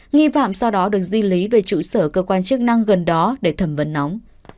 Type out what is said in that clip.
nghi phạm sau đó được di lý về trụ sở cơ quan chức năng gần đó để thẩm vấn nóng